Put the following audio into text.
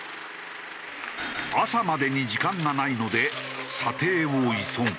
朝までに時間がないので査定を急ぐ。